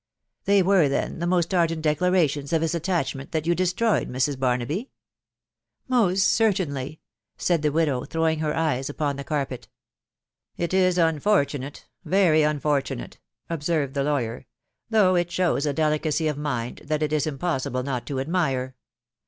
" They were, then, the most ardent declarations of his at tachment that you destroyed, Mrs. Barnaby ?"" Most certainly," said the widow throwing her eyes upon the carpet. " It is unfortunate, very unfortunate," observed the lawyer, " though it shows a delicacy of mind that it is impossible not to admire.